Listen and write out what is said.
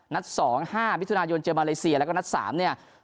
นัฐสอง๕วิธุนายนเจอมาเลเซียแล้วก็นัฐสามเนี่ย